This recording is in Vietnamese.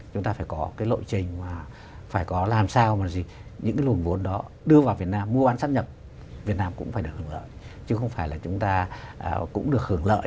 chứ không phải là chúng ta cũng được hưởng lợi